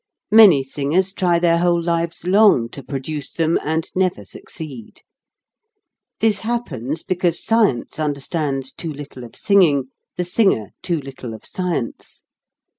Many singers try their whole lives long to produce them and never succeed. This happens because science understands too little of singing, the singer too little of science.